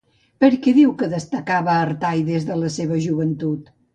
Per què diu que destacava Artai des de la seva joventut?